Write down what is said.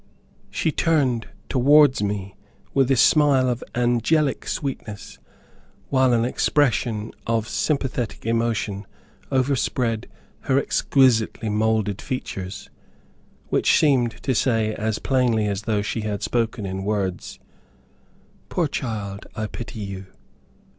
She turned towards me with a smile of angelic sweetness, while an expression of sympathetic emotion overspread her exquisitely moulded features, which seemed to say as plainly as though she had spoken in words, "Poor child, I pity you."